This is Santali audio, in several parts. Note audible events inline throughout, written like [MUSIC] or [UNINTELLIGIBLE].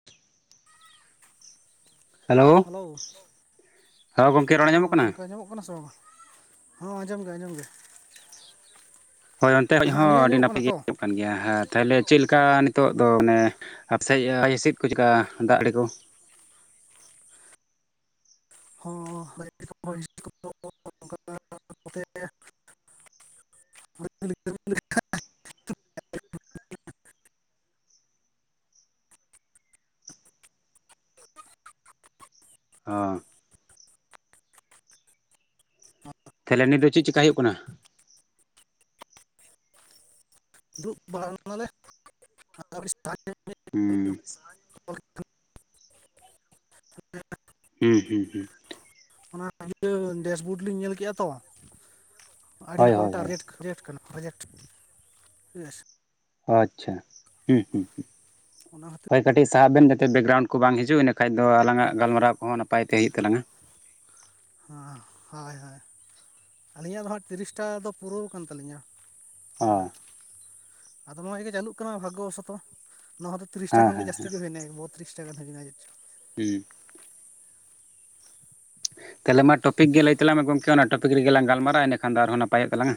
[INAUDIBLE] ᱦᱮᱞᱳ [INAUDIBLE] ᱦᱟᱞᱚᱣ ᱦᱮᱸ ᱜᱚᱢᱠᱮ ᱨᱚᱲ ᱟᱸᱡᱚᱢᱚᱜ ᱦᱚᱸ ᱠᱟᱱᱟ? ᱜᱚᱢᱠᱮ ᱟᱸᱡᱚᱢᱚᱜ ᱠᱟᱱᱟ ᱥᱮ ᱵᱟᱝᱟ? ᱦᱚᱸ ᱟᱸᱡᱚᱢ ᱜᱮ ᱟᱸᱡᱚᱢ ᱜᱮ ᱾ ᱦᱚᱭ ᱚᱱᱛᱮ [UNINTELLIGIBLE] ᱦᱚᱸ ᱟᱹᱞᱤᱧᱟᱜ ᱟᱹᱰᱤ ᱟᱸᱡᱚᱢᱚᱜ ᱱᱟᱯᱟᱭ ᱠᱟᱱᱟ ᱜᱮ ᱛᱚ [UNINTELLIGIBLE] ᱠᱟᱱ ᱜᱮᱭᱟ, ᱟᱨ ᱛᱟᱦᱚᱞᱮ ᱪᱮᱫ ᱞᱮᱠᱟ ᱱᱤᱛᱚᱜ ᱫᱚ ᱢᱟᱱᱮ ᱟᱨᱟᱥᱮᱡ [UNINTELLIGIBLE] ᱦᱤᱥᱤᱫ ᱠᱚ ᱪᱮᱫ ᱞᱮᱠᱟ ᱫᱟᱜ ᱡᱟᱹᱲᱤ ᱠᱚ? ᱦᱚᱸ [UNINTELLIGIBLE] [UNINTELLIGIBLE] ᱦᱸ ᱛᱟᱦᱚᱞᱮ ᱱᱤᱛ ᱫᱚ ᱪᱮᱫ ᱪᱮᱠᱟ ᱦᱩᱭᱩᱜ ᱠᱟᱱᱟ? ᱫᱩᱲᱩᱵ ᱵᱟᱲᱟᱱᱟᱞᱮ [UNINTELLIGIBLE] ᱦᱩᱸ [UNINTELLIGIBLE] ᱦᱩᱸ ᱦᱩᱸ ᱦᱩᱸ ᱾ ᱚᱱᱟ ᱰᱮᱥᱵᱚᱰ ᱞᱤᱧ ᱧᱮᱞ ᱠᱮᱜᱼᱟ ᱛᱚ ᱟᱹᱰᱤ ᱦᱳᱭ ᱦᱳᱭ ᱦᱳᱭ [UNINTELLIGIBLE] ᱨᱮᱴ ᱠᱟᱱᱟ᱾ ᱯᱨᱚᱡᱮᱠᱴ ᱮᱥ ᱾ ᱟᱪᱪᱷᱟ ᱦᱩᱸ ᱦᱩᱸ ᱦᱩᱸ ᱚᱱᱟ ᱠᱷᱟᱹᱛᱤᱨ [UNINTELLIGIBLE] ᱠᱟᱹᱴᱤᱡ ᱥᱟᱦᱟᱜ ᱵᱮᱱ ᱡᱟᱛᱮ ᱵᱮᱠᱜᱨᱟᱣᱩᱱᱰ ᱠᱚ ᱵᱟᱝ ᱦᱤᱡᱩᱜ ᱤᱱᱟᱹᱠᱷᱟᱡ ᱫᱚ ᱟᱞᱟᱝ ᱟᱜ ᱜᱟᱞᱢᱟᱨᱟᱣ ᱠᱚ ᱦᱚᱸ ᱱᱟᱯᱟᱭ ᱛᱮ ᱦᱩᱭᱩᱜ ᱛᱟᱞᱟᱝᱟ ᱾ ᱦᱚᱸ ᱦᱚᱭ ᱦᱚᱭ, ᱟᱹᱞᱤᱧᱟᱜ ᱫᱚ ᱛᱤᱨᱤᱥ ᱴᱟ ᱫᱚ ᱯᱩᱨᱟᱹᱣ ᱟᱠᱟᱱ ᱛᱟᱹᱞᱤᱧᱟ᱾ ᱚ ᱦᱮᱸ ᱟᱫᱚ ᱱᱚᱣᱟ ᱜᱮ ᱪᱟᱹᱞᱩᱜ ᱠᱟᱱᱟ, ᱵᱷᱟᱜᱚ ᱵᱚᱥᱚᱛᱚ ᱱᱚᱣᱟ ᱫᱚ ᱛᱤᱨᱤᱥ ᱴᱟ ᱦᱮᱸ ᱠᱷᱚᱱ ᱜᱮ ᱦᱮᱸ ᱡᱟᱹᱛᱤ ᱦᱮᱸ ᱜᱮ ᱦᱩᱭ ᱮᱱᱟ ᱵᱚᱛ ᱛᱤᱨᱤᱥ ᱴᱟ [UNINTELLIGIBLE] ᱦᱩᱸ ᱛᱟᱦᱚᱞᱮ ᱢᱟ ᱴᱚᱯᱤᱠ ᱜᱮ ᱞᱟᱹᱭ ᱛᱟᱞᱟᱝ ᱢᱮ ᱜᱚᱢᱠᱮ ᱚᱱᱟ ᱴᱚᱯᱤᱠ ᱨᱮᱜᱮ ᱞᱟᱝ ᱜᱟᱞᱢᱟᱨᱟᱣᱟ ᱤᱱᱟᱹᱠᱷᱟᱱ ᱫᱚ ᱟᱨᱦᱚᱸ ᱱᱟᱯᱟᱭᱚᱜ ᱛᱟᱞᱟᱝᱼᱟ?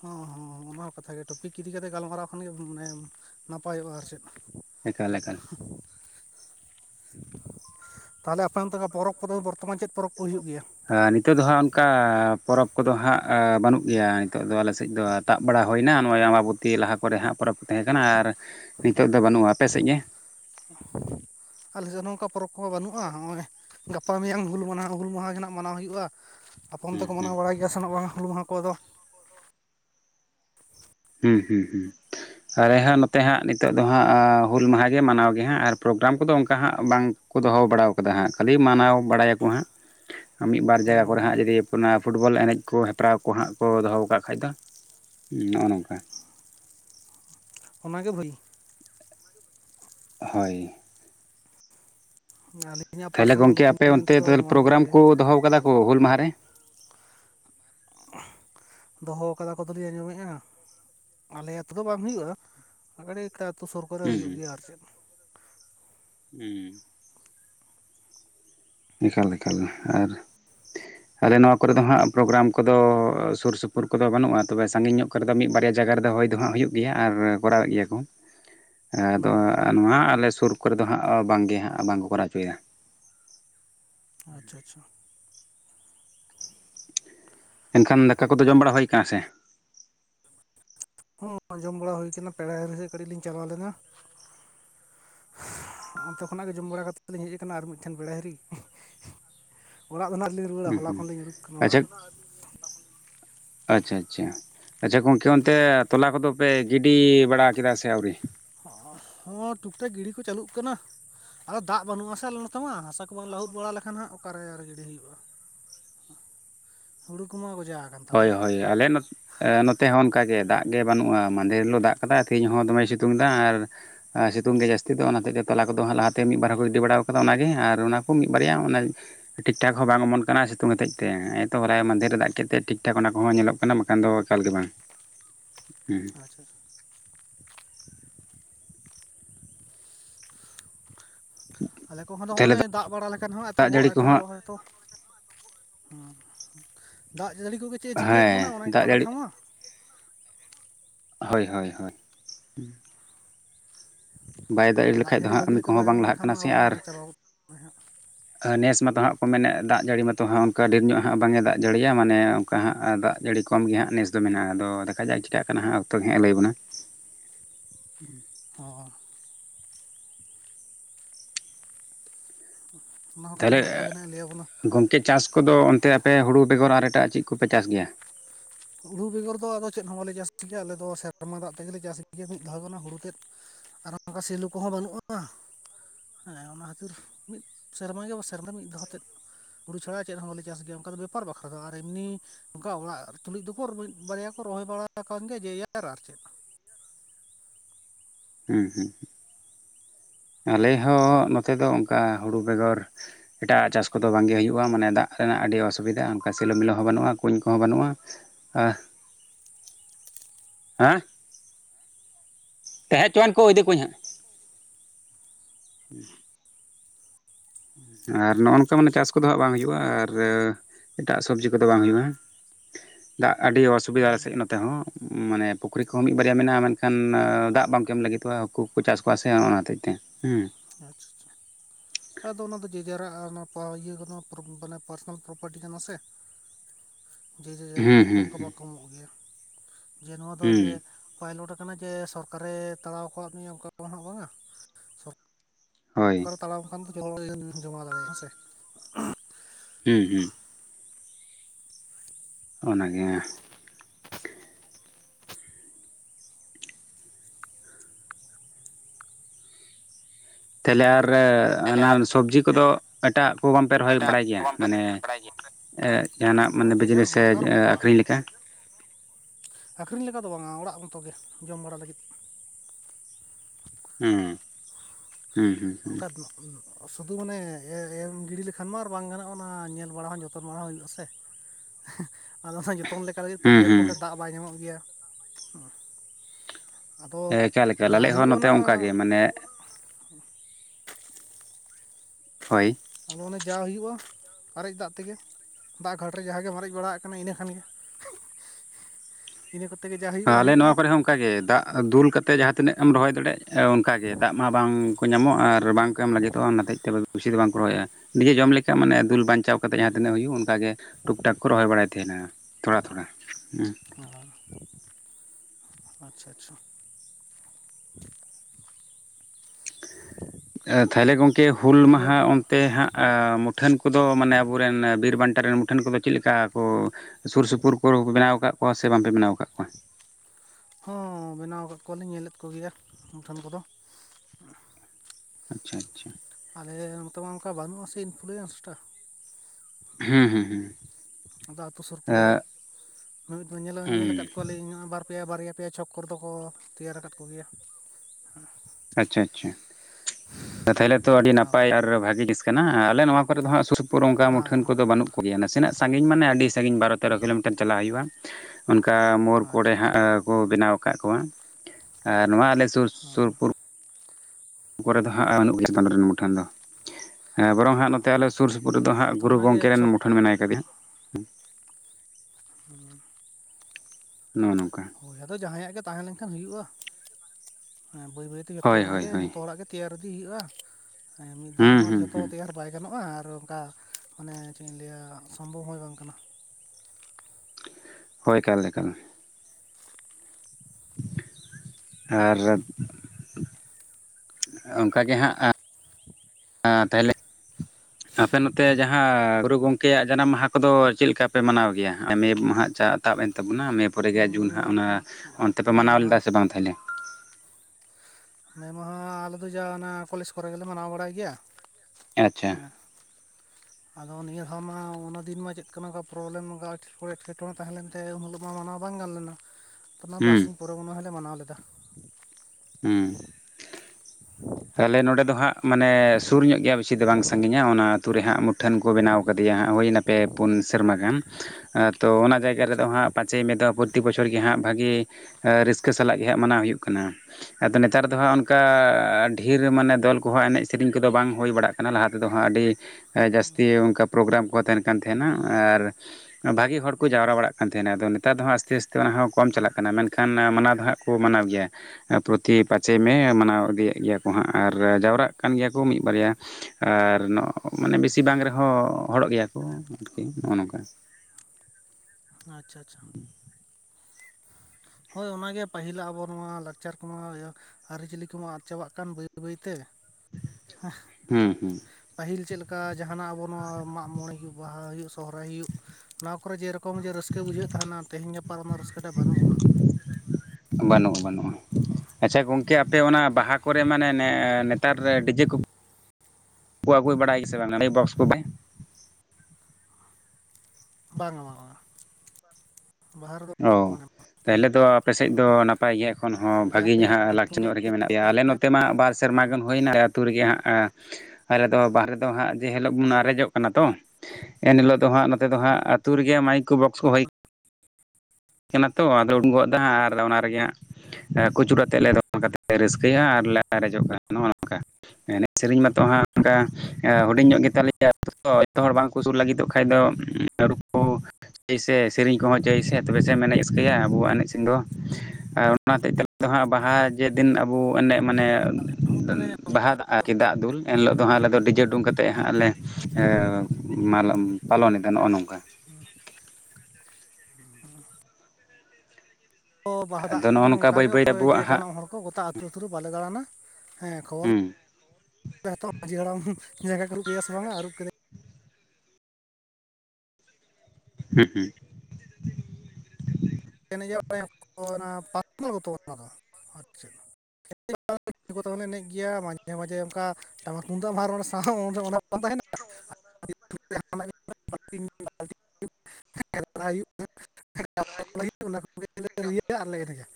ᱦᱚᱸ ᱦᱚᱸ, ᱚᱱᱟ ᱦᱚᱸ ᱠᱟᱛᱷᱟ ᱜᱮ ᱴᱚᱯᱤᱠ ᱤᱫᱤ ᱠᱟᱛᱮ ᱜᱟᱞᱢᱟᱨᱟᱣ ᱠᱷᱟᱱ ᱜᱮ ᱱᱟᱯᱟᱭᱚᱜᱼᱟ ᱟᱨ ᱪᱮᱫ᱾ ᱮᱠᱟᱞ ᱮᱠᱟᱞ [UNINTELLIGIBLE] ᱛᱟᱦᱚᱞᱮ ᱟᱯᱮ ᱚᱱᱛᱮ ᱫᱚ ᱯᱚᱨᱚᱵᱽ ᱠᱚᱫᱚ ᱵᱚᱨᱛᱚᱢᱟᱱ ᱪᱮᱫ ᱯᱚᱨᱚᱵᱽ ᱠᱚ ᱦᱩᱭᱩᱜ ᱜᱮᱭᱟ? ᱱᱤᱛᱚᱜ ᱫᱚ ᱦᱟᱸ ᱚᱱᱠᱟ ᱯᱚᱨᱚᱵᱽ ᱠᱚᱫᱚ ᱦᱟᱸᱜ ᱵᱟᱹᱱᱩᱜ ᱜᱮᱭᱟ, ᱱᱤᱛᱚᱜ ᱫᱚ ᱟᱞᱮ ᱥᱮᱫ ᱫᱚ ᱛᱟᱵ ᱵᱟᱲᱟ ᱦᱩᱭᱮᱱᱟ, ᱱᱚᱜᱼᱚᱭ ᱟᱵᱟᱵᱚᱛᱤ ᱞᱟᱦᱟ ᱠᱚᱨᱮ ᱯᱚᱨᱚᱵᱽ ᱠᱚ ᱛᱟᱦᱮᱸ ᱠᱟᱱᱟ ᱟᱨ ᱱᱤᱛᱚᱜ ᱫᱚ ᱵᱟᱹᱱᱩᱜᱼᱟ᱾ ᱟᱯᱮ ᱥᱮᱫ ᱜᱮ? ᱟᱞᱮ ᱥᱮᱫ ᱦᱚᱸ ᱱᱚᱝᱠᱟ ᱯᱚᱨᱚᱵᱽ ᱠᱚᱦᱚᱸ ᱵᱟᱹᱱᱩᱜᱼᱟ, ᱱᱚᱜᱼᱚᱭ ᱜᱟᱯᱟ ᱢᱮᱭᱟᱝ ᱦᱩᱞ [UNINTELLIGIBLE] ᱢᱟᱦᱟ ᱜᱮ ᱢᱟᱱᱟᱣ ᱦᱩᱭᱩᱜᱼᱟ᱾ ᱟᱯᱮ ᱚᱱᱛᱮ ᱦᱩᱸ ᱠᱚ ᱦᱩᱸ ᱢᱟᱱᱟᱣ ᱵᱟᱲᱟᱭ ᱜᱮᱭᱟ ᱠᱚ ᱥᱮ ᱱᱚᱣᱟ ᱦᱩᱞ ᱢᱟᱦᱟ ᱠᱚᱫᱚ? ᱦᱩᱸ ᱦᱩᱸ ᱦᱩᱸ [UNINTELLIGIBLE] ᱟᱞᱮ ᱦᱚᱸ ᱱᱚᱛᱮ ᱦᱟᱸ ᱱᱤᱛᱚᱜ ᱫᱚ ᱦᱟᱸ ᱦᱩᱞ ᱢᱟᱦᱟ ᱜᱮ ᱢᱟᱱᱟᱣ ᱜᱮᱦᱟᱸ ᱟᱨ ᱯᱨᱚᱜᱨᱟᱢ ᱠᱚᱫᱚ ᱚᱝᱠᱟ ᱦᱟᱸ ᱵᱟᱝ ᱠᱚ ᱫᱚᱦᱚ ᱵᱟᱲᱟᱣ ᱟᱠᱟᱫᱟ ᱦᱟᱸ ᱠᱷᱟᱹᱞᱤ ᱢᱟᱱᱟᱣ ᱵᱟᱲᱟᱭ ᱟᱠᱚ ᱢᱤᱫ ᱵᱟᱨ ᱡᱟᱜᱟ ᱠᱚᱨᱮ ᱦᱩᱸ ᱦᱟᱸ ᱡᱩᱫᱤ ᱚᱱᱟ ᱯᱷᱩᱴᱵᱚᱞ ᱮᱱᱮᱡ ᱠᱚ ᱦᱮᱯᱨᱟᱣ ᱠᱚ ᱦᱟᱸ ᱠᱚ ᱫᱚᱦᱚ ᱟᱠᱟᱫ ᱠᱷᱟᱡ ᱫᱚ ᱱᱚᱜᱼᱚ ᱱᱚ ᱦᱮ, ᱚᱱᱟ ᱜᱮ ᱱᱷᱟᱹᱭ ᱦᱚᱭ ᱟᱹᱞᱤᱧᱟᱜ ᱛᱟᱦᱚᱞᱮ ᱯᱟᱨᱥᱚᱱᱟᱞ ᱜᱚᱝᱠᱮ ᱟᱯᱮ ᱳᱯᱤᱱᱤᱭᱚᱱ ᱚᱱᱛᱮ ᱛᱮᱫᱚ ᱫᱚ ᱱᱚᱣᱟ ᱯᱨᱚᱜᱨᱟᱢ ᱜᱮᱞᱮ ᱠᱚ ᱫᱚᱦᱚ ᱟᱠᱟᱫᱟ ᱠᱚ ᱦᱩᱞ ᱢᱟᱦᱟᱨᱮ? ᱫᱚᱦᱚ ᱟᱠᱟᱫᱟ ᱠᱚ ᱛᱚ ᱟᱸᱡᱚᱢ ᱮᱜᱼᱟ᱾ ᱟᱞᱮ ᱟᱹᱛᱩ ᱫᱚ ᱵᱟᱝ ᱦᱩᱭᱩᱜᱼᱟ, ᱟᱞᱮ ᱠᱟ ᱟᱹᱛᱩ ᱥᱩᱨ ᱠᱚᱨᱮ ᱦᱩᱸ ᱦᱩᱭᱩᱜ ᱦᱩᱸ ᱜᱮᱭᱟ ᱟᱨ ᱪᱮᱫ ᱾ ᱦᱩᱸ᱾ ᱮᱠᱟᱞ ᱮᱠᱟᱞ, ᱟᱨ ᱟᱞᱮ ᱱᱚᱣᱟ ᱠᱚᱨᱮ ᱫᱚ ᱦᱟᱸᱜ ᱯᱨᱳᱜᱨᱟᱢ ᱠᱚᱫᱚ ᱥᱩᱨ ᱥᱩᱯᱩᱨ ᱠᱚᱫᱚ ᱵᱟᱹᱱᱩᱜᱼᱟ, ᱛᱚᱵᱮ ᱥᱟᱺᱜᱤᱧ ᱧᱚᱜ ᱠᱚᱨᱮ ᱫᱚ ᱢᱤᱫ ᱵᱟᱨᱭᱟ ᱡᱟᱭᱜᱟ ᱨᱮᱫᱚ ᱦᱩᱭ ᱫᱚ ᱦᱩᱭᱩᱜ ᱜᱮᱭᱟ ᱟᱨ ᱠᱚᱨᱟᱣᱮᱫ ᱜᱮᱭᱟ ᱠᱚ᱾ ᱦᱩᱸ ᱟᱫᱚ ᱱᱚᱣᱟ ᱟᱞᱮ ᱥᱩᱨ ᱠᱚᱨᱮ ᱫᱚ ᱦᱟᱸᱜ ᱵᱟᱝᱜᱮ ᱦᱟᱸᱜ ᱵᱟᱝᱠᱚ ᱠᱚᱨᱟᱣ ᱦᱚᱪᱚᱭ ᱮᱫᱟ᱾ ᱟᱪᱪᱷᱟ ᱟᱪᱪᱷᱟ᱾ ᱮᱱᱠᱷᱟᱱ ᱫᱟᱠᱟ ᱠᱚᱫᱚ ᱡᱚᱢ ᱵᱟᱲᱟ ᱦᱩᱭ ᱟᱠᱟᱱᱟ ᱥᱮ‍? ᱦᱳᱭ, ᱡᱚᱢ ᱵᱟᱲᱟ ᱦᱩᱭ ᱠᱟᱱᱟ, ᱯᱮᱲᱟ ᱦᱤᱨᱤ ᱥᱮᱫ ᱠᱟᱹᱴᱤᱡ ᱞᱤᱧ ᱪᱟᱞᱟᱣ ᱞᱮᱱᱟ᱾ ᱚᱱᱛᱮ ᱠᱷᱚᱱᱟᱜ ᱜᱮ ᱡᱚᱢ ᱵᱟᱲᱟ ᱠᱟᱛᱮᱫ ᱫᱚᱞᱤᱧ ᱦᱮᱡ ᱟᱠᱟᱱᱟ, ᱟᱨ ᱢᱤᱫᱴᱮᱱ ᱯᱮᱲᱟ ᱦᱤᱨᱤ᱾ ᱚᱲᱟᱜ ᱫᱚ ᱫᱚ ᱱᱟᱦᱟᱜ ᱞᱤᱧ ᱨᱩᱣᱟᱹᱲᱟ, ᱦᱩᱸ ᱦᱚᱞᱟ ᱦᱩᱸ ᱠᱷᱚᱱ ᱞᱤᱧ ᱩᱰᱩᱠ ᱠᱟᱱᱟ ᱚᱲᱟᱜ ᱟᱪᱪᱷᱟ ᱠᱷᱚᱱ᱾ [INAUDIBLE] ᱟᱪᱪᱷᱟ ᱟᱪᱪᱷᱟ, ᱟᱪᱪᱷᱟ ᱜᱚᱝᱠᱮ ᱚᱱᱛᱮ ᱛᱚᱞᱟ ᱠᱚᱫᱚ ᱯᱮ ᱜᱤᱰᱤ ᱵᱟᱲᱟ ᱠᱮᱫᱟ ᱥᱮ ᱟᱣᱨᱤ? ᱦᱚᱸᱜ-ᱚ, ᱦᱚᱸ ᱴᱩᱠ-ᱴᱟᱠ ᱜᱤᱲᱤ ᱠᱚ ᱪᱟᱹᱞᱩᱜ ᱠᱟᱱᱟ᱾ ᱟᱫᱚ ᱫᱟᱜ ᱵᱟᱹᱱᱩᱜ-ᱟ ᱥᱮ ᱟᱞᱮ ᱱᱚᱛᱮ ᱢᱟ ᱦᱟᱥᱟ ᱠᱚ ᱵᱟᱝ ᱞᱟᱹᱟᱦᱩᱫ ᱵᱟᱲᱟ ᱞᱮᱠᱷᱟᱱ ᱦᱟᱸᱜ ᱚᱠᱟᱨᱮ ᱟᱨ ᱜᱤᱰᱤ ᱦᱩᱭᱩᱜᱼᱟ᱾ ᱦᱩᱲᱩ ᱠᱚᱢᱟ ᱵᱟᱡᱟᱴ ᱦᱳᱭ ᱦᱳᱭ ᱟᱞᱮ ᱱᱚᱛ ᱮᱸ ᱱᱚᱛᱮ ᱦᱚᱸ ᱚᱱᱠᱟᱜᱮ ᱫᱟᱜ ᱜᱮ ᱵᱟᱹᱱᱩᱜᱼᱟ, ᱢᱟᱱᱫᱮᱨ ᱦᱤᱞᱚᱜ ᱫᱟᱜ ᱠᱟᱫᱟ ᱛᱮᱦᱧ ᱫᱚᱢᱮ ᱥᱤᱛᱩᱝ ᱫᱟᱭ ᱟᱨ ᱟᱸ ᱥᱤᱛᱩᱝ ᱜᱮ ᱡᱟᱹᱥᱛᱤ ᱫᱚ ᱚᱱᱟᱛᱮ ᱛᱚᱞᱟ ᱠᱚᱫᱚ ᱞᱟᱦᱟᱛᱮ ᱢᱤᱫ ᱵᱟᱨᱠᱚ ᱤᱫᱤ ᱵᱟᱲᱟ ᱠᱟᱫᱟ ᱚᱱᱟᱜᱮ ᱟᱨ ᱚᱱᱟ ᱠᱚ ᱢᱤᱫ ᱵᱟᱨᱭᱟ ᱚᱱᱟ ᱴᱷᱤᱠ-ᱴᱷᱟᱠ ᱦᱚᱸ ᱵᱟᱝ ᱚᱢᱚᱱ ᱠᱟᱱᱟ ᱥᱤᱛᱩᱝ ᱦᱚᱛᱮᱡ ᱛᱮ ᱦᱮᱸᱜ-ᱮ ᱛᱚ ᱦᱚᱞᱟᱭ ᱢᱟᱫᱷᱮᱨᱮ ᱫᱟᱜ ᱠᱮᱫ ᱛᱮ ᱴᱷᱤᱠ-ᱴᱷᱟᱠ ᱚᱱᱟ ᱠᱚᱦᱚᱸ ᱧᱮᱞᱚᱜ ᱠᱟᱱᱟ ᱵᱟᱠᱷᱟᱱ ᱫᱚ ᱮᱠᱟᱞ ᱜᱮ ᱵᱟᱝ᱾ ᱦᱩᱸ, [INAUDIBLE] ᱟᱞᱮ ᱠᱚᱦᱚᱸ ᱫᱚ ᱛᱟᱦᱚᱞᱮ ᱦᱚᱸᱜᱼᱚᱭ ᱫᱟᱜ ᱵᱟᱲᱟ ᱞᱮᱠᱷᱟᱱ ᱦᱚᱸ ᱫᱟᱜ ᱡᱟᱹᱲᱤ ᱮᱛᱚᱵᱚᱜ-ᱟ ᱠᱚᱦᱚᱸ ᱮᱛᱚᱵᱚᱜᱼᱟ ᱦᱳᱭᱛᱚ᱾ ᱚᱸ, ᱫᱟᱜ ᱡᱟᱹᱲᱤ ᱠᱚᱜᱮ ᱪᱮᱫᱼᱮ ᱪᱤᱠᱟᱹᱭᱮᱫ ᱵᱚᱱᱟ ᱦᱮᱸ ᱚᱱᱟ ᱫᱟᱜ ᱜᱮᱛᱚ ᱡᱟᱹᱲᱤ ᱠᱟᱛᱷᱟ ᱢᱟ᱾ ᱦᱳᱭ ᱦᱳᱭ ᱦᱳᱭ, ᱦᱩᱸ᱾ ᱵᱟᱭ ᱫᱟᱜ ᱟᱨ ᱫᱟᱲᱮ ᱞᱮᱠᱷᱟᱡ ᱫᱚ ᱡᱟᱹᱲᱤ ᱦᱟᱸᱜ ᱵᱷᱟᱹᱜᱤ ᱩᱱᱠᱩ ᱞᱮᱠᱟ ᱠᱚᱦᱚᱸ ᱵᱟᱭ ᱵᱟᱝ ᱮᱢᱚᱱ ᱞᱟᱦᱟᱜ ᱠᱷᱟᱱ ᱠᱟᱱᱟ, ᱢᱟ ᱥᱮ ᱟᱵᱚ ᱟᱨ ᱢᱟ ᱪᱟᱵᱟ ᱜᱚᱫ ᱦᱟᱸᱜ ᱱᱮᱥ ᱢᱟᱛᱚ ᱦᱟᱸᱜ ᱠᱚ ᱢᱮᱱᱮᱫ ᱫᱟᱜ ᱡᱟᱹᱲᱤ ᱢᱟᱛᱚ ᱦᱟᱜ ᱚᱱᱠᱟ ᱰᱷᱮᱨ ᱧᱚᱜ ᱦᱟᱸᱜ ᱵᱟᱝ ᱮ ᱫᱟᱜ ᱡᱟᱹᱲᱤᱭᱟ ᱢᱟᱱᱮ ᱚᱝᱠᱟ ᱦᱟᱸᱜ ᱫᱟᱜ ᱡᱟᱹᱲᱤ ᱠᱚᱢ ᱜᱮ ᱦᱟᱸᱜ ᱱᱮᱥ ᱫᱚ ᱢᱮᱱᱟᱜᱼᱟ᱾ ᱟᱫᱚ ᱫᱮᱠᱷᱟ ᱡᱟᱜᱽ ᱪᱮᱠᱟᱜ ᱠᱟᱱᱟ ᱦᱟᱸᱜ ᱚᱠᱛᱚ ᱜᱮ ᱦᱟᱸᱜ-ᱮ ᱞᱟᱹᱭ ᱟᱵᱚᱱᱟ᱾ ᱟᱪᱪᱷᱟ᱾ ᱦᱮᱸ᱾ ᱚᱱᱟ ᱦᱚᱸ ᱠᱟᱛᱷᱟ ᱛᱟᱦᱚᱞᱮ ᱜᱮ ᱚᱠᱛᱚ ᱜᱮ ᱱᱟᱦᱟᱜ-ᱮ ᱞᱟᱹᱭ ᱟᱵᱚᱱᱟ᱾ ᱜᱚᱝᱠᱮ ᱪᱟᱥ ᱠᱚᱫᱚ ᱚᱱᱛᱮ ᱟᱯᱮ ᱦᱩᱲᱩ ᱵᱮᱜᱚᱨ ᱟᱨ ᱮᱴᱟᱜ ᱟᱜ ᱪᱮᱫ ᱠᱚᱯᱮ ᱪᱟᱥ ᱜᱮᱭᱟ? ᱦᱩᱲᱩ ᱵᱮᱜᱚᱨ ᱫᱚ ᱟᱫᱚ ᱪᱮᱫ ᱦᱚᱸ ᱵᱟᱞᱮ ᱪᱟᱥ ᱜᱮᱭᱟ ᱟᱞᱮ ᱫᱚ ᱥᱮᱨᱢᱟ ᱫᱟᱜ ᱛᱮᱜᱮᱞᱮ ᱪᱟᱥ ᱜᱮᱭᱟ, ᱢᱤᱫ ᱫᱷᱟᱣ ᱜᱮ ᱚᱱᱟ ᱦᱩᱲᱩ ᱛᱮᱫ᱾ ᱟᱨ ᱚᱝᱠᱟ ᱥᱮᱞᱚ ᱠᱚᱦᱚᱸ ᱵᱟᱹᱱᱩᱜᱼᱟ᱾ ᱦᱮᱸ ᱚᱱᱟ ᱠᱷᱟᱹᱛᱤᱨ ᱢᱤᱫ ᱥᱮᱨᱢᱟ ᱜᱮ ᱥᱮᱨᱢᱟ ᱢᱤᱫ ᱫᱷᱟᱹᱣᱛᱮᱫ᱾ ᱦᱩᱲᱩ ᱪᱷᱟᱲᱟ ᱪᱮᱫ ᱦᱚᱸ ᱵᱟᱞᱮ ᱪᱟᱥ ᱜᱮᱭᱟ ᱚᱝᱠᱟ ᱫᱚ ᱵᱮᱯᱟᱨ ᱵᱟᱠᱷᱨᱟ ᱫᱚ ᱟᱨ ᱮᱢᱱᱤ ᱱᱚᱝᱠᱟ ᱚᱲᱟᱜ ᱛᱩᱞᱩ ᱫᱚᱠᱚ ᱵᱟᱨᱭᱟ ᱠᱚ ᱨᱚᱦᱚᱭ ᱵᱟᱲᱟ ᱟᱠᱟᱱ ᱜᱮᱭᱟ ᱡᱮ ᱡᱟᱨ ᱟᱨ ᱪᱮᱫ᱾ ᱦᱩ ᱦᱩ ᱟᱞᱮ ᱦᱳᱭ ᱦᱚᱸ ᱱᱚᱛᱮ ᱫᱚ ᱚᱱᱠᱟ ᱦᱩᱲᱩ ᱵᱮᱜᱚᱨ ᱮᱴᱟᱜ-ᱟᱜ ᱪᱟᱥ ᱠᱚᱫᱚ ᱵᱟᱝᱜᱮ ᱦᱩᱭᱩᱜᱼᱟ ᱢᱟᱱᱮ ᱫᱟᱜ ᱨᱮᱱᱟᱜ ᱟᱹᱰᱤ ᱚᱥᱩᱵᱤᱫᱷᱟ ᱚᱱᱠᱟ ᱥᱮᱞᱳ-ᱢᱮᱞᱳ ᱦᱚᱸ ᱵᱟᱹᱱᱩᱜᱼᱟ, ᱠᱩᱧ ᱠᱚᱦᱚᱸ ᱵᱟᱹᱱᱩᱜᱼᱟ᱾ ᱦᱮᱸ, ᱦᱮᱸ? ᱛᱟᱦᱮᱸ ᱦᱚᱪᱚᱣᱟᱱ ᱠᱚ ᱤᱫᱤ ᱠᱚᱣᱟᱹᱧ ᱦᱟᱸᱜ᱾ ᱟᱨ ᱱᱚᱜᱼᱚ ᱱᱚᱝᱠᱟ ᱟᱪᱪᱷᱟ ᱢᱟᱱᱮ ᱟᱪᱪᱷᱟ ᱪᱟᱥ ᱠᱚᱫᱚ ᱦᱟᱸᱜ ᱵᱟᱝ ᱦᱩᱭᱩᱜᱼᱟ, ᱟᱨ ᱮᱴᱟᱜ ᱥᱚᱵᱽᱡᱤ ᱠᱚᱫᱚ ᱵᱟᱝ ᱦᱩᱭᱩᱜᱼᱟ ᱫᱟᱜ ᱟᱹᱰᱤ ᱚᱥᱩᱵᱤᱫᱟ ᱦᱩᱸ ᱟᱞᱮ ᱱᱚᱛᱮ ᱦᱚᱸ᱾ ᱢᱟᱱᱮ ᱯᱩᱠᱷᱨᱤ ᱠᱚᱦᱚᱸ ᱢᱤᱫ ᱵᱟᱨᱭᱟ ᱢᱮᱱᱟᱜᱼᱟ ᱢᱮᱱᱠᱷᱟᱱ ᱫᱟᱜ ᱵᱟᱝᱠᱚ ᱧᱟᱢ ᱞᱟᱹᱜᱤᱫᱚᱜᱼᱟ ᱦᱟᱹᱠᱩ ᱠᱚ ᱪᱟᱥ ᱠᱚᱣᱟ ᱥᱮ ᱚᱱᱟ ᱦᱚᱛᱮᱡ ᱛᱮ᱾ ᱦᱩᱸ᱾ ᱟᱪᱪᱷᱟ ᱟᱪᱪᱷᱟ᱾ ᱟᱫᱚ ᱚᱱᱟ ᱫᱚ ᱡᱮᱡᱟᱨᱟᱜ ᱚᱱᱟ‌ ᱯᱟ ᱤᱭᱟᱹ ᱜᱟᱱᱚᱜ-ᱟ ᱢᱟᱱᱮ ᱯᱟᱨᱥᱚᱱᱟᱞ ᱯᱨᱳᱯᱟᱨᱴᱤ ᱠᱟᱱᱟ ᱥᱮ᱾ [INAUDIBLE] ᱡᱮ ᱡᱮ ᱡᱟᱭᱜᱟ ᱦᱩᱸ ᱠᱚ ᱦᱩᱸ ᱚᱱᱠᱟ ᱦᱩᱸ ᱵᱟᱠᱚ ᱮᱢᱚᱜ ᱜᱮᱭᱟ ᱡᱮ ᱱᱚᱣᱟ ᱫᱚ ᱦᱩᱸ ᱡᱮ ᱯᱟᱭᱞᱚᱴ ᱠᱟᱱᱟ ᱡᱮ ᱥᱚᱨᱠᱟᱨᱮ ᱛᱟᱲᱟᱣ ᱠᱟᱣᱟᱫ ᱢᱮᱭᱟ ᱚᱝᱠᱟ ᱫᱚ ᱱᱟᱦᱟᱜ ᱵᱟᱝᱟ᱾ ᱦᱳᱭ ᱦᱚᱨ ᱛᱟᱲᱟᱣᱟᱢ ᱠᱷᱟᱱ ᱫᱚ [UNINTELLIGIBLE] ᱡᱚᱢᱟ ᱫᱟᱲᱮᱭᱟᱜᱼᱟ ᱦᱮᱸᱥᱮ᱾ ᱦᱩᱸ ᱦᱩᱸ᱾ ᱚᱱᱟᱜᱮ᱾ ᱛᱟᱦᱞᱮ ᱟᱨ ᱛᱟᱦᱚᱞᱮ ᱚᱱᱟ ᱥᱚᱵᱽᱡᱤ ᱠᱚᱫᱚ ᱮᱴᱟᱜ ᱠᱚ ᱵᱟᱝᱯᱮ ᱨᱚᱦᱚᱭ ᱮᱴᱟᱜ ᱵᱟᱲᱟᱭ ᱜᱮᱭᱟ ᱵᱟᱢᱯᱮ ᱢᱟᱱᱮ ᱵᱟᱲᱟᱭ ᱜᱮᱭᱟ ᱮᱸᱜ ᱡᱟᱦᱟᱸᱱᱟᱜ ᱢᱟᱱᱮ ᱦᱳᱭ ᱡᱮᱡᱟᱨ ᱵᱤᱡᱽᱱᱮᱥ ᱮ ᱜᱷᱚᱨᱠᱟᱨ ᱢᱚᱛᱚ ᱟᱨ ᱟᱠᱷᱨᱤᱧ ᱪᱮᱫ ᱞᱮᱠᱟ? ᱟᱹᱠᱷᱨᱤᱧ ᱞᱮᱠᱟ ᱫᱚ ᱵᱟᱝᱟ ᱚᱲᱟᱜ ᱢᱚᱛᱚ ᱜᱮ ᱡᱚᱢ ᱵᱟᱲᱟ ᱞᱟᱹᱜᱤᱫ, ᱩᱸ᱾ ᱚᱝᱠᱟ ᱫᱚ ᱢᱟ ᱥᱩᱫᱷᱩ ᱢᱟᱱᱮ ᱮᱢ ᱜᱤᱲᱤ ᱞᱮᱠᱷᱟᱱ ᱢᱟ ᱟᱨ ᱵᱟᱝ ᱜᱟᱱᱚᱜᱼᱟ ᱚᱱᱟ ᱧᱮᱞ ᱵᱟᱲᱟ ᱦᱚᱸ ᱡᱚᱛᱚᱱ ᱵᱟᱲᱟ ᱦᱚᱸ ᱦᱩᱭᱩᱜ ᱟᱥᱮ᱾ [UNINTELLIGIBLE] ᱟᱫᱚ ᱚᱱᱟ ᱡᱚᱛᱚᱱ ᱞᱮᱠᱟ ᱞᱟᱹᱜᱤᱫ ᱦᱩᱸ ᱦᱩᱸ ᱯᱚᱨᱡᱟᱯᱛᱚᱱ ᱨᱮ ᱫᱟᱜ ᱵᱟᱭ ᱧᱟᱢᱚᱜ ᱜᱮᱭᱟ ᱦᱩᱸ ᱟᱫᱚ ᱮᱠᱟᱞ ᱮᱠᱟᱞ ᱡᱟ ᱟᱞᱮ ᱦᱚᱸ ᱦᱩᱭᱩᱜᱼᱟ ᱱᱚᱛᱮ ᱚᱱᱟ ᱚᱱᱠᱟᱜᱮ ᱢᱟᱱᱮ ᱦᱳᱭ᱾ ᱟᱫᱚ ᱚᱱᱮ ᱡᱟ ᱦᱩᱭᱩᱜᱼᱟ ᱟᱨᱮᱡ ᱫᱟᱜ ᱛᱮᱜᱮ ᱫᱟᱜ ᱜᱷᱟᱰ ᱨᱮ ᱡᱟᱦᱟᱸᱜᱮ ᱟᱨᱮᱡ ᱵᱟᱲᱟᱜ ᱠᱟᱱᱟ ᱤᱱᱟᱹ ᱠᱷᱟᱱᱜᱮ [INAUDIBLE] ᱤᱱᱟᱹ ᱠᱚᱛᱮ ᱜᱮ ᱡᱟ ᱟᱞᱮ ᱦᱩᱭᱩᱜᱼᱟ ᱱᱚᱣᱟ ᱠᱚᱨᱮ ᱦᱚᱸ ᱚᱱᱠᱟ ᱜᱮ ᱫᱟᱜ ᱫᱩᱞ ᱠᱟᱛᱮ ᱡᱟᱸᱦᱟ ᱛᱤᱱᱟᱹᱜ ᱮᱢ ᱨᱚᱦᱚᱭ ᱫᱟᱲᱮᱜ ᱚᱱᱠᱟ ᱜᱮ ᱫᱟᱜ ᱢᱟ ᱵᱟᱝ ᱠᱚ ᱧᱟᱢᱚᱜ ᱟᱨ ᱵᱟᱝ ᱠᱚ ᱮᱢ ᱞᱟᱹᱜᱤᱫ ᱫᱚᱜᱼᱟ ᱚᱱᱟ ᱦᱚᱛᱮᱡ ᱛᱮ ᱵᱮᱥᱤ ᱫᱚ ᱵᱟᱝ ᱠᱚ ᱨᱚᱦᱚᱭᱟ᱾ ᱱᱤᱡᱮ ᱡᱚᱢ ᱞᱮᱠᱟ ᱢᱟᱱᱮ ᱫᱩᱞ ᱵᱟᱧᱪᱟᱣ ᱠᱟᱛᱮᱜ ᱡᱟᱦᱟᱸ ᱛᱤᱱᱟᱹᱜ ᱦᱩᱭᱩᱜ ᱚᱱᱠᱟ ᱜᱮ ᱴᱩᱠ ᱴᱷᱟᱠ ᱠᱚ ᱨᱚᱦᱚᱭ ᱵᱟᱲᱟᱭ ᱛᱟᱦᱮᱸᱱᱟ᱾ ᱛᱷᱚᱲᱟ ᱛᱷᱚᱲᱟ ᱦᱩᱸ᱾ [UNINTELLIGIBLE] ᱟᱪᱪᱷᱟ ᱟᱪᱪᱷᱟ᱾ ᱛᱟᱦᱞᱮ ᱜᱚᱝᱠᱮ ᱦᱩᱹᱞ ᱫᱤᱭᱮ ᱢᱟᱦᱟ ᱟᱫᱚ ᱚᱱᱛᱮ ᱦᱟᱸᱜ ᱟᱻ ᱢᱩᱴᱷᱟᱹᱱ ᱠᱚᱫᱚ ᱢᱟᱱᱮ ᱟᱵᱚ ᱨᱮᱱ ᱵᱤᱨ ᱵᱟᱱᱴᱟ ᱨᱮᱱ ᱢᱩᱴᱷᱟᱹᱱ ᱠᱚᱫᱚ ᱪᱮᱫ ᱞᱮᱠᱟ ᱠᱚ ᱥᱩᱨ ᱥᱩᱯᱩᱨ ᱠᱚᱨᱚ ᱵᱮᱱᱟᱣ ᱠᱟᱜ ᱠᱚᱣᱟ ᱥᱮ ᱵᱟᱝ ᱯᱮ ᱵᱮᱱᱟᱣ ᱠᱟᱜ ᱠᱚᱣᱟ? ᱦᱚᱸ ᱵᱮᱱᱟᱣ ᱟᱠᱟᱫ ᱠᱚᱣᱟ ᱞᱤᱧ ᱧᱮᱞ ᱮᱫ ᱠᱚᱜᱮᱭᱟ ᱢᱩᱴᱷᱟᱹᱱ ᱠᱚᱫᱚ, ᱟᱪᱪᱷᱟ ᱟᱪᱪᱷᱟ᱾ ᱟᱞᱮ ᱱᱚᱛᱮ ᱢᱟ ᱚᱱᱠᱟ ᱵᱟᱹᱱᱩᱜᱼᱟ ᱥᱮ ᱤᱱᱯᱷᱞᱩᱭᱮᱱᱥ ᱴᱟ, ᱦᱩᱸ ᱦᱩᱸ ᱦᱩᱸ᱾ ᱟᱫᱚ ᱟᱹᱛᱩ ᱥᱩᱨ ᱠᱚᱨᱮ ᱜᱮ ᱢᱤᱼᱢᱤᱫ ᱫᱷᱟᱣ ᱧᱮᱞ ᱧᱮᱞ ᱠᱟᱫ ᱠᱚᱣᱟ ᱞᱤᱧ ᱵᱟᱨ ᱯᱮᱭᱟ ᱵᱟᱨᱭᱟ ᱯᱮᱭᱟ ᱪᱷᱚᱠ ᱠᱚᱨ ᱫᱚᱠᱚ ᱛᱮᱭᱟᱨ ᱠᱟᱫ ᱠᱚᱜᱮᱭᱟ᱾ ᱟᱪᱪᱷᱟ ᱟᱪᱪᱷᱟ ᱛᱟᱦᱞᱮ ᱛᱚ ᱟᱹᱰᱤ ᱦᱳᱭ ᱦᱮᱸ ᱱᱟᱯᱟᱭ ᱟᱨ ᱵᱷᱟᱜᱮ [UNINTELLIGIBLE] ᱠᱟᱱᱟ ᱟᱞᱮ ᱱᱚᱣᱟ ᱠᱚᱨᱮ ᱫᱚ ᱦᱟᱸᱜ ᱥᱩᱨ ᱥᱩᱯᱩᱨ ᱚᱱᱠᱟ ᱦᱮᱸ ᱢᱩᱴᱷᱟᱹᱱ ᱠᱚᱫᱚ ᱵᱟᱹᱱᱩᱜ ᱜᱮᱭᱟ ᱱᱟᱥᱮ ᱱᱟᱜ ᱥᱟᱹᱜᱤᱧ ᱢᱟᱱᱮ ᱟᱹᱰᱤ ᱥᱟᱹᱜᱤᱧ ᱵᱟᱨᱚ ᱛᱮᱨᱚ ᱠᱤᱞᱳᱢᱤᱴᱟᱨ ᱪᱟᱞᱟᱜ ᱦᱩᱭᱩᱜᱼᱟ, ᱚᱱᱠᱟ ᱢᱳᱲ ᱠᱚᱨᱮ ᱟᱪᱪᱷᱟ ᱟᱪᱪᱷᱟ ᱦᱟᱸᱜ ᱠᱚ ᱵᱮᱱᱟᱣ ᱟᱠᱟᱫ ᱠᱚᱣᱟ ᱟᱨ ᱱᱚᱣᱟ ᱟᱞᱮ ᱥᱩᱨ ᱥᱩᱯᱩᱨ ᱠᱚᱨᱮ ᱫᱚ ᱦᱟᱸᱜᱼᱟ ᱵᱟᱹᱱᱩᱜ [UNINTELLIGIBLE] ᱢᱩᱴᱷᱟᱹᱱ ᱫᱚ, ᱦᱮᱸ ᱵᱚᱨᱚᱝ ᱦᱟᱸᱜ ᱱᱚᱛᱮ ᱟᱞ ᱥᱩᱨ ᱥᱩᱯᱩᱨ ᱨᱮᱫᱚ ᱦᱟᱸᱜ ᱟᱫᱚ ᱜᱩᱨᱩ ᱚᱱᱟᱜᱮ ᱜᱚᱝᱠᱮ ᱨᱮᱱ ᱪᱷᱚᱠ ᱢᱩᱴᱷᱟᱹᱱ ᱢᱮᱭ ᱠᱟ ᱫᱮᱭᱟ, ᱦᱩᱸ᱾ ᱱᱚ ᱱᱚᱝᱠᱟ, ᱦᱳᱭ ᱟᱫᱚ ᱡᱟᱸᱦᱟᱭ ᱟᱜ ᱜᱮ ᱛᱟᱦᱮᱸ ᱞᱮᱱ ᱠᱷᱟᱱ ᱦᱩᱭᱩᱜᱼᱟ, ᱦᱮᱸ ᱵᱟᱹᱭ ᱵᱟᱹᱭ ᱛᱮ ᱡᱷᱚᱛᱚᱢ ᱦᱳᱭ ᱢᱟᱜ ᱦᱳᱭ ᱜᱮ ᱦᱳᱭ ᱡᱚᱛᱚ ᱦᱚᱲ ᱟᱜ ᱜᱮ ᱛᱮᱭᱟᱨ ᱤᱫᱤ ᱦᱩᱭᱩᱜᱼᱟ, ᱮᱸ ᱢᱤᱫ ᱫᱷᱟᱣ ᱨᱮ ᱦᱩᱸ ᱢᱟ ᱟᱨ ᱦᱩᱸ ᱡᱷᱚᱛᱚ ᱦᱩᱸ ᱛᱮᱭᱟᱨ ᱵᱟᱭ ᱜᱟᱱᱚᱜᱼᱟ ᱟᱨ ᱚᱱᱠᱟ ᱢᱟᱱᱮ ᱪᱮᱫ ᱤᱧ ᱞᱟᱹᱭᱼᱟ ᱥᱚᱢᱵᱷᱚᱵ ᱦᱚᱸᱭ ᱵᱟᱝ ᱠᱟᱱᱟ, ᱦᱳᱭ ᱮᱠᱟᱞ ᱮᱠᱟᱞ᱾ ᱟᱨ ᱚᱝᱠᱟ ᱜᱮ ᱦᱟᱸᱜ ᱟᱸ ᱛᱟᱦᱞᱮ ᱟᱯᱮ ᱱᱚᱛᱮ ᱡᱟᱸᱦᱟ ᱜᱩᱨᱩ ᱜᱚᱝᱠᱮᱭᱟᱜ ᱡᱟᱱᱟᱢ ᱢᱟᱦᱟ ᱠᱚᱫᱚ ᱪᱮᱫ ᱞᱮᱠᱟ ᱯᱮ ᱢᱟᱱᱟᱣ ᱜᱮᱭᱟ ᱮ ᱢᱮ ᱢᱟᱦᱟ ᱪᱟ [UNINTELLIGIBLE] ᱛᱟᱵ ᱮᱱ ᱛᱟᱵᱚ ᱱᱟ ᱢᱮ ᱯᱚᱨᱮ ᱜᱮ ᱡᱩᱱ ᱦᱟᱸᱜ ᱚᱱᱟ ᱚᱱᱛᱮ ᱯᱮ ᱢᱮ ᱢᱟᱱᱟᱣ ᱞᱮᱫᱟ ᱢᱟᱦᱟ ᱥᱮ ᱵᱟᱝ ᱛᱟᱦᱞᱮ? ᱢᱮ ᱢᱟᱸᱦᱟ ᱟᱞᱮ ᱫᱚ ᱡᱟ ᱚᱱᱟ ᱠᱚᱞᱮᱡᱽ ᱠᱚᱨᱮ ᱜᱮᱞᱮ ᱢᱟᱱᱟᱣ ᱵᱟᱲᱟᱭ ᱜᱮᱭᱟ ᱟᱪᱪᱷᱟ ᱦᱮᱸ, [INAUDIBLE] ᱟᱫᱚ ᱱᱤᱭᱟᱹ ᱫᱷᱟᱣ ᱢᱟ ᱚᱱᱟ ᱫᱤᱱ ᱢᱟ ᱪᱮᱫ ᱠᱟ ᱚᱝᱠᱟ ᱯᱨᱚᱵᱽᱞᱮᱢ ᱱᱚᱠᱟ ᱮᱴᱠᱮᱴᱚᱸᱬᱮ ᱛᱟᱦᱮᱸ ᱞᱮᱱᱛᱮ ᱩᱱ ᱦᱤᱞᱚᱜ ᱢᱟ ᱢᱟᱱᱟᱣ ᱵᱟᱝ ᱜᱟᱱ ᱞᱮᱱᱟ, [INAUDIBLE] [UNINTELLIGIBLE] ᱵᱟᱨ ᱥᱤᱧ ᱯᱚ ᱨᱮ ᱚᱱᱟ ᱦᱚᱸᱞᱮ ᱢᱟᱱᱟᱣ ᱞᱮᱫᱟ᱾ ᱦᱩᱸ ᱛᱟᱦᱞᱮ ᱱᱚᱸᱰᱮ ᱫᱚ ᱦᱟᱸᱜ ᱢᱟᱱᱮ ᱥᱩᱨ ᱧᱚᱜ ᱜᱮᱭᱟ ᱵᱤᱥᱤ ᱫᱚ ᱵᱟᱝ ᱥᱟᱹᱜᱤᱧ ᱟ᱾ ᱚᱱᱟ ᱟᱹᱛᱩ ᱨᱮ ᱦᱟᱸᱜ ᱢᱩᱴᱷᱟᱹᱱ ᱠᱚ ᱵᱮᱱᱟᱣ ᱠᱟᱫᱮᱭᱟ ᱦᱟᱸᱜ ᱦᱩᱭ ᱱᱟ ᱯᱮ ᱯᱩᱱ ᱥᱮᱨᱢᱟ ᱜᱟᱱ ᱛᱚ ᱚᱱᱟ ᱡᱟᱭᱜᱟ ᱟᱪᱪᱷᱟ ᱨᱮᱫᱚ ᱦᱟᱸᱜ ᱡᱮ ᱢᱮᱫᱫᱷᱟᱣ ᱯᱨᱚᱛᱤ ᱵᱚᱪᱷᱚᱨ ᱜᱮ ᱦᱟᱸᱜ ᱵᱷᱟᱜᱮ ᱨᱟᱹᱥᱠᱟᱹ ᱥᱟᱞᱟᱜ ᱜᱮ ᱦᱟᱸᱜ ᱢᱟᱱᱟᱣ ᱦᱩᱭᱩᱜ ᱠᱟᱱᱟ᱾ ᱟᱫᱚ ᱱᱮᱛᱟᱨ ᱫᱚ ᱦᱟᱸᱜ ᱚᱱᱠᱟ᱾ ᱰᱷᱮᱨ ᱢᱟᱱᱮ ᱫᱚᱞ ᱠᱚᱦᱚᱸ ᱮᱱᱮᱡ ᱥᱤᱨᱤᱧ ᱠᱚᱫᱚ ᱵᱟᱝ ᱦᱳᱭ ᱵᱟᱲᱟᱜ ᱠᱟᱱᱟ᱾ ᱞᱟᱦᱟ ᱛᱮᱫᱚ ᱦᱟᱸᱜ ᱟᱹᱰᱤ ᱡᱟᱹᱥᱛᱤ ᱚᱱᱠᱟ ᱯᱨᱳᱜᱨᱟᱢ ᱠᱚ ᱛᱟᱦᱮᱱ ᱠᱟᱱ ᱛᱟᱦᱮᱱᱟ ᱟᱨ ᱵᱷᱟᱜᱮ ᱦᱚᱲ ᱠᱚ ᱡᱟᱣᱨᱟ ᱵᱟᱲᱟᱜ ᱠᱟᱱ ᱛᱟᱦᱮᱱᱟ ᱟᱫᱚ ᱱᱮᱛᱟᱨ ᱫᱚ ᱦᱟᱸᱜ ᱟᱹᱥ ᱛᱮ ᱟᱹᱥ ᱛᱮ ᱚᱱᱟ ᱦᱚᱸ ᱠᱚᱢ ᱪᱟᱞᱟᱜ ᱠᱟᱱᱟ ᱢᱮᱱ ᱠᱷᱟᱱ ᱢᱟᱱᱟ ᱫᱚ ᱦᱟᱸᱜ ᱠᱚ ᱢᱟᱱᱟᱣ ᱜᱮᱭᱟ ᱯᱨᱚᱛᱤ ᱯᱟᱸᱪᱮ ᱢᱮ ᱢᱟᱱᱟᱣ ᱤᱫᱤᱭᱮᱫ ᱜᱮᱭᱟ ᱠᱚ ᱠᱚ ᱦᱟᱸᱜ ᱟᱨ ᱡᱟᱣᱨᱟᱜ ᱠᱟᱱ ᱜᱮᱭᱟ ᱠᱚ ᱢᱤᱫ ᱵᱟᱨ ᱭᱟ ᱟᱨ ᱢᱟᱱᱮ ᱵᱮᱥᱤ ᱵᱟᱝ ᱨᱮᱦᱚᱸ ᱦᱚᱲ ᱼᱚᱜ ᱜᱮᱭᱟ ᱠᱚ ᱟᱨᱠᱤ ᱱᱚᱜᱼᱚ ᱱᱚᱝᱠᱟ᱾ ᱟᱪᱪᱷᱟ ᱟᱪᱪᱷᱟ [INAUDIBLE] ᱦᱳᱭ ᱚᱱᱟᱜᱮ ᱯᱟᱹᱦᱤᱞᱟᱜ ᱟᱵᱚ ᱱᱚᱣᱟ ᱞᱟᱠᱪᱟᱨ ᱠᱚᱢᱟ ᱟᱹᱨᱤᱪᱟᱹᱞᱤ ᱠᱚᱢᱟ ᱟᱫ ᱪᱟᱵᱟᱜ ᱠᱟᱱ ᱵᱟᱹᱭ ᱵᱟᱹᱭᱛᱮ ᱦᱩᱸ ᱦᱩᱸ ᱯᱟᱹᱦᱤᱞ ᱪᱮᱫ ᱞᱮᱠᱟ ᱞᱮᱠᱟ ᱡᱟᱦᱟᱱᱟᱜ ᱟᱵᱚ ᱱᱚᱣᱟ ᱢᱟᱜ ᱢᱚᱬᱮ ᱦᱩᱭᱩᱜ ᱵᱟᱦᱟ ᱦᱩᱭᱩᱜ ᱥᱚᱦᱨᱟᱭ ᱦᱩᱭᱩᱜ ᱱᱚᱣᱟ ᱠᱚ ᱠᱚᱨᱮ ᱡᱮᱨᱚᱠᱚᱢ ᱡᱮ ᱨᱟᱹᱥᱠᱟᱹ ᱵᱩᱡᱷᱟᱹᱜ ᱛᱟᱦᱮᱱᱟ ᱛᱮᱦᱮᱧ ᱜᱟᱯᱟ ᱚᱱᱟ ᱨᱟᱹᱥᱠᱟᱹ ᱢᱟ ᱵᱟᱹᱱᱩᱜ ᱟᱱᱟ᱾ [INAUDIBLE] ᱵᱟᱹᱱᱩᱜᱼᱟ᱾ ᱵᱟᱹᱱᱩᱜᱼᱟ᱾ ᱟᱪᱪᱷᱟ ᱜᱚᱝᱠᱮ ᱟᱯᱮ ᱚᱱᱟ ᱵᱟᱦᱟ ᱠᱚᱨᱮ ᱢᱟᱱᱮ ᱱᱮᱛᱟᱨ ᱰᱤᱡᱮ ᱠᱚ ᱩᱱ ᱠᱚ ᱵᱟᱲᱟᱭ ᱥᱮ ᱵᱟᱝ ᱟᱹᱰᱤ ᱵᱚᱠᱥ ᱠᱚ ᱵᱟᱹᱱᱩᱜᱼᱟ, ᱵᱟᱦᱟ ᱨᱮ ᱫᱚ ᱚ ᱛᱟᱦᱚᱞᱮ ᱫᱚ ᱟᱯᱮ ᱥᱮᱫ ᱫᱚ ᱱᱟᱯᱟᱭ ᱜᱮ ᱮᱠᱷᱚᱱ ᱦᱚᱸ ᱡᱟ ᱵᱷᱟᱜᱮ ᱦᱩᱭᱩᱜᱼᱟ ᱡᱟᱦᱟᱸ ᱴᱟᱢᱟᱠ ᱞᱟᱠᱪᱟᱨ ᱛᱩᱢᱫᱟᱜ ᱧᱚᱜ ᱨᱮᱜᱮ ᱟᱛᱮ ᱢᱮᱱᱟᱜ ᱫᱚᱱ ᱟᱞᱮ ᱯᱮ ᱱᱚᱛᱮ ᱢᱟ ᱵᱟᱨ ᱥᱮᱨᱢᱟᱜᱟᱱ ᱦᱩᱭᱱᱟ ᱟᱹᱛᱩ ᱨᱮᱜᱮ ᱦᱟᱸᱜ- ᱟᱞᱮ ᱫᱚ ᱵᱟᱦᱟ ᱨᱮ ᱫᱚ ᱦᱟᱸᱜ ᱡᱮ ᱦᱤᱞᱳᱜ ᱵᱚᱱ ᱟᱨᱮᱡᱚᱜ ᱠᱟᱱᱟ ᱛᱚ ᱮᱱᱦᱤᱞᱳᱜ ᱫᱚ ᱦᱟᱸᱜ ᱱᱚᱛᱮ ᱫᱚ ᱦᱟᱸᱜ ᱟᱹᱛᱩ ᱨᱮᱜᱮ ᱢᱟᱭᱤᱠ ᱠᱚ ᱵᱚᱠᱥ ᱠᱚ ᱦᱩᱭ ᱠᱟᱱᱟ ᱛᱚ ᱟᱫᱚᱮ ᱩᱰᱜᱚᱜᱫᱟ ᱦᱟᱸ ᱟᱨ ᱚᱱᱟ ᱨᱮᱜᱮ ᱦᱟᱸᱜ ᱠᱩᱪᱩᱨ ᱟᱛᱮᱫ ᱞᱮ ᱫᱚ ᱠᱟᱛᱮᱮᱫ ᱞᱮ ᱨᱟᱹᱥᱠᱟᱹᱜᱼᱟ᱾ ᱟᱨᱞᱮ ᱟᱨᱮᱡᱚᱜ ᱠᱟᱱᱟ ᱱᱚᱜᱼᱚ ᱱᱚᱝᱠᱟ ᱮᱱᱮᱡ ᱥᱮᱨᱮᱧ ᱢᱟᱛᱚ ᱦᱟᱸᱜ ᱚᱱᱠᱟ ᱦᱩᱰᱤᱧᱚᱜ ᱜᱮᱛᱟᱞᱮᱭᱟ ᱟᱹᱛᱚ ᱡᱚᱛᱚ ᱦᱚᱲ ᱵᱟᱝᱠᱚ ᱥᱩᱨ ᱞᱟᱹᱜᱤᱫᱚᱜ ᱠᱷᱟᱱ ᱫᱚ [UNINTELLIGIBLE] ᱥᱮᱨᱮᱧ ᱠᱚᱦᱚᱸ ᱪᱚᱭᱮᱥ ᱥᱮ ᱛᱚᱵᱮ ᱥᱮᱢ ᱮᱱᱮᱡ ᱨᱥᱠᱟᱹᱭᱟ ᱟᱵᱚᱣᱟᱜ ᱮᱱᱮᱡ ᱥᱮᱨᱮᱧ ᱫᱚ ᱟᱨ ᱚᱱᱟ ᱦᱚᱛᱮᱫ ᱛᱮ ᱫᱚ ᱦᱟᱸᱜ ᱵᱟᱦᱟ ᱡᱮᱫᱤᱱ ᱟᱵᱚ ᱮᱱᱮᱡ ᱢᱟᱱᱮ ᱢᱟᱱᱮ ᱵᱟᱦᱟ ᱠᱤ ᱫᱟᱜ ᱫᱩᱞ ᱮᱱᱦᱤᱞᱚᱜ ᱫᱚ ᱦᱟᱸᱜ ᱟᱞᱮᱫ ᱫᱚ ᱰᱤᱡᱮ ᱰᱩᱝ ᱠᱟᱛᱮᱫ ᱦᱟᱸᱜ ᱞᱮ ᱯᱟᱞᱚᱱ ᱮᱫᱟ ᱱᱚᱜᱼᱚ ᱱᱚᱝᱠᱟ᱾ [INAUDIBLE] ᱵᱟᱦᱟ ᱫᱟᱜ ᱟᱫᱚ ᱱᱚᱜᱼᱚ ᱠᱚᱫᱚ ᱱᱚᱝᱠᱟ ᱵᱟᱹᱭ ᱜᱮ ᱵᱟᱹᱭ ᱚᱠᱚᱭ ᱟᱵᱚᱣᱟᱜ ᱡᱮ ᱦᱟᱸᱜ ᱜᱟᱱᱚᱜ ᱦᱚᱲ ᱜᱚᱴᱟ ᱟᱹᱛᱩ - ᱟᱹᱛᱩ ᱨᱮ ᱵᱟᱞᱮ ᱫᱟᱬᱟᱱᱟ ᱾ ᱦᱮᱸ ᱠᱷᱚᱵᱚᱨ ᱦᱩᱸ [UNINTELLIGIBLE] ᱦᱟᱛᱟᱣ ᱢᱟᱺᱡᱷᱤ ᱦᱟᱲᱟᱢ ᱡᱟᱸᱜᱟ ᱠᱚ ᱟᱹᱨᱩᱯ ᱠᱮᱫᱮᱭᱟ ᱥᱮ ᱵᱟᱝ ᱼ ᱟ ᱟᱹᱨᱩᱵ ᱠᱮᱫᱮ ᱦᱩᱸ ᱦᱩᱸ ᱚᱱᱮ ᱡᱮ ᱚᱱᱟ ᱯᱟᱛᱞᱮᱜᱚᱛᱚ ᱚᱱᱟ ᱫᱚ ᱟᱨ ᱪᱮᱫ [UNINTELLIGIBLE] ᱠᱚᱛᱮ ᱦᱚᱸᱞᱮ ᱮᱱᱮᱡ ᱜᱮᱭᱟ ᱢᱟᱡᱷᱮ ᱢᱟᱡᱷᱮ ᱚᱱᱠᱟ ᱴᱟᱢᱟᱠ ᱛᱩᱢᱫᱟᱹᱜ ᱢᱟ ᱥᱟ [UNINTELLIGIBLE] ᱦᱚᱸ ᱛᱟᱦᱮᱱᱟ [UNINTELLIGIBLE] [UNINTELLIGIBLE] [INAUDIBLE] ᱦᱩᱭᱩᱜ ᱚᱱᱟ ᱠᱚᱜᱮᱞᱮ ᱨᱩᱭᱟ ᱟᱨᱞᱮ ᱮᱱᱮᱡᱟ᱾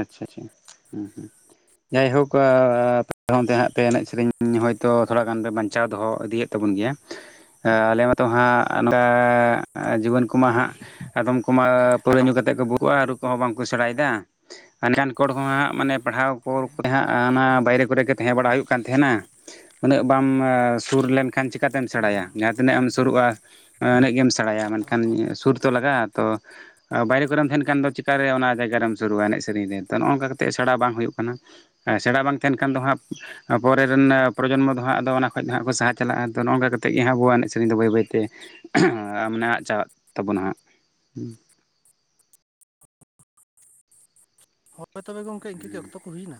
ᱟᱪᱪᱷᱟ ᱪᱪᱪᱷᱟ ᱦᱩᱸᱻ ᱦᱩᱸ ᱡᱟᱭᱦᱳᱠ ᱟᱯᱮ ᱚᱱᱛᱮ ᱦᱟᱸᱜ ᱯᱮ ᱮᱱᱮᱡ ᱥᱮᱨᱮᱧᱟ᱾ ᱦᱚᱭᱛᱳ ᱛᱷᱚᱲᱟ ᱜᱟᱱ ᱯᱮ ᱵᱟᱧᱪᱟᱣ ᱫᱚᱦᱚ ᱤᱫᱤᱭᱮᱫ ᱛᱟᱵᱚᱱ ᱜᱮᱭᱟ᱾ ᱟᱞᱮ ᱢᱟᱛᱚ ᱦᱟᱸᱜ ᱱᱚᱝᱠᱟ ᱡᱩᱣᱟᱹᱱ ᱠᱚᱢᱟ ᱦᱟᱸᱜ ᱟᱫᱚᱢ ᱠᱚᱢᱟ ᱯᱟᱹᱣᱨᱟᱹ ᱧᱩ ᱠᱟᱛᱮᱜ ᱠᱚ ᱵᱩᱞᱩᱜᱼᱟ᱾ ᱨᱩ ᱠᱚᱦᱚᱸ ᱵᱟᱝᱠᱚ ᱥᱮᱬᱟᱭᱮᱫᱟ᱾ [UNINTELLIGIBLE] ᱮᱱᱠᱟᱱ ᱠᱚᱲ ᱦᱚᱸ [UNINTELLIGIBLE] ᱦᱟᱸᱜ ᱢᱟᱱᱮ ᱯᱟᱲᱦᱟᱣ ᱠᱚ ᱦᱟᱸᱜ ᱚᱱᱟ ᱵᱟᱭᱨᱮ ᱠᱚᱨᱮ ᱠᱟᱛᱮ ᱛᱟᱦᱮᱸ ᱵᱟᱲᱟ ᱦᱩᱭᱩᱜ ᱠᱟᱱ ᱛᱟᱦᱮᱸᱱᱟ ᱩᱱᱟᱹᱜ ᱵᱟᱢ ᱥᱩᱨ ᱞᱮᱱᱠᱷᱟᱱ ᱪᱤᱠᱟᱹᱛᱮᱢ ᱥᱮᱬᱟᱭᱟ᱾ ᱦᱚᱸ ᱛᱤᱱᱟᱹᱜ ᱮᱢ ᱥᱩᱨᱩᱜᱼᱟ, ᱤᱱᱟᱹᱜ ᱜᱮᱢ ᱥᱮᱬᱟᱭᱟ, ᱢᱮᱱᱠᱷᱟᱱ ᱥᱩᱨ ᱛᱚ ᱞᱟᱜᱟᱜᱼᱟ ᱛᱚ ᱵᱟᱭᱨᱮ ᱠᱚᱨᱮᱢ ᱛᱟᱦᱮᱱ ᱠᱷᱟᱱ ᱫᱚ ᱪᱤᱠᱟᱹᱛᱮ ᱚᱱᱟ ᱡᱟᱭᱜᱟ ᱨᱮᱢ ᱥᱩᱨᱩᱜᱼᱟ ᱮᱱᱮᱡ ᱥᱮᱨᱮᱧ ᱨᱮ ᱛᱚ ᱱᱚᱜᱼᱚ ᱱᱚᱝᱠᱟ ᱠᱟᱛᱮᱫ ᱥᱮᱬᱟ ᱵᱟᱝ ᱦᱩᱭᱩᱜ ᱠᱟᱱᱟ᱾ ᱥᱮᱬᱟ ᱵᱟᱝ ᱛᱟᱦᱮᱱ ᱠᱷᱟᱱ ᱫᱚ ᱦᱟᱸᱜ ᱯᱚᱨᱮ ᱨᱮᱱ ᱯᱨᱚᱡᱚᱱᱢᱚ ᱫᱚ ᱦᱟᱸᱜ ᱟᱫᱚ ᱚᱱᱟ ᱠᱷᱚᱡ ᱫᱚ ᱦᱟᱸᱜ ᱠᱚ ᱥᱟᱦᱟ ᱪᱟᱞᱟᱜᱼᱟ ᱛᱚ ᱱᱚᱜᱼᱚ ᱱᱚᱝᱠᱟ ᱠᱟᱛᱮᱜ ᱜᱮ ᱦᱟᱸᱜ ᱟᱵᱚᱣᱟᱜ ᱮᱱᱮᱡ ᱥᱮᱨᱮᱧ ᱫᱚ ᱵᱟᱹᱭ ᱵᱟᱹᱭᱛᱮ᱾ ᱢᱟᱱᱮ ᱟᱫ ᱪᱟᱵᱟᱜ ᱛᱟᱵᱚᱱᱟ ᱦᱟᱸᱜ᱾ ᱦᱳᱭ ᱛᱚᱵᱮ ᱜᱮ ᱜᱚᱢᱠᱮ ᱤᱱᱠᱟᱹᱜᱮ ᱚᱠᱛᱚ ᱠᱚ ᱦᱩᱭᱱᱟ᱾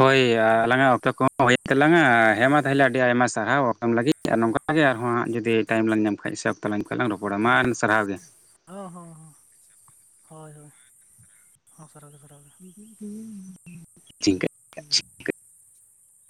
ᱦᱳᱭ ᱟᱞᱟᱝᱟᱜ ᱚᱠᱛᱚ ᱠᱚᱦᱚᱸ ᱦᱩᱭᱮᱱ ᱛᱟᱞᱟᱝᱼᱟ ᱦᱮᱸ ᱢᱟ ᱛᱟᱦᱚᱞᱮ ᱟᱹᱰᱤ ᱟᱭᱢᱟ ᱥᱟᱨᱦᱟᱣ ᱚᱠᱛᱚ ᱮᱢ ᱞᱟᱹᱜᱤᱫ᱾ ᱱᱚᱝᱠᱟᱜ ᱜᱮ ᱟᱨᱦᱚ ᱦᱟᱸᱜ ᱡᱩᱫᱤ ᱴᱟᱭᱤᱢ ᱞᱟᱝ ᱧᱟᱢ ᱠᱷᱟᱱ ᱥᱮ ᱚᱠᱛᱚ ᱞᱟᱝ ᱠᱷᱟᱱ ᱞᱟᱝ ᱨᱚᱯᱚᱲᱟ ᱢᱟ ᱥᱟᱨᱦᱟᱣ ᱜᱮ᱾ ᱦᱚᱸᱻᱦᱚᱸ ᱻᱦᱚᱸ ᱦᱳᱭ ᱼ ᱦᱳᱭ ᱦᱚᱸ ᱥᱟᱨᱦᱟᱣᱜᱮ ᱼ ᱥᱟᱨᱦᱟᱣᱜᱮ᱾ ᱦᱩᱸ